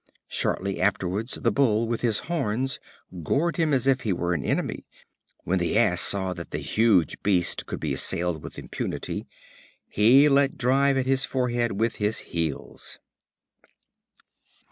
Shortly afterwards the Bull with his horns gored him as if he were an enemy. When the Ass saw that the huge beast could be assailed with impunity, he let drive at his forehead with his heels.